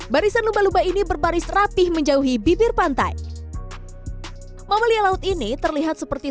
barisan lupa lupa ini berbaris rapih menjauhi bibir pantai momelia laut ini terlihat seperti